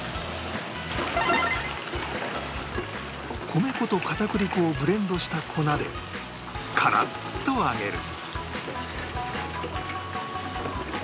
米粉と片栗粉をブレンドした粉でカラッと揚げる